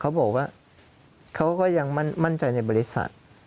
เขาบอกว่าเขาก็ยังมั่นใจในบริษัท